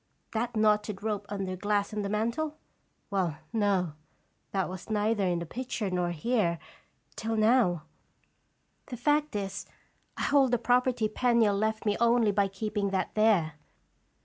That knotted rope under glass on the mantel? Well, no; that was neither in the picture nor here, till now ; the fact is, I hold the property Penniel left me only by keeping that there.